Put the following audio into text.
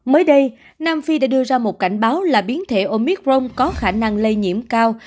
mới đây nam phi đã đưa ra một cảnh báo là biến thể omicron có khả năng lây nhiễm cao